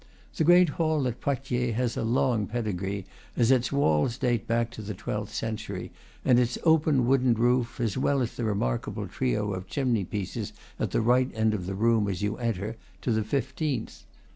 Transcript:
The great hall at Poitiers has a long pedigree, as its walls date back to the twelfth century, and its open wooden roof, as well as the remarkable trio of chimney pieces at the right end of the room as you enter, to the fifteenth.